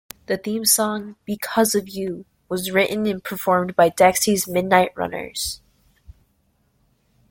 The theme song "Because of You" was written and performed by Dexys Midnight Runners.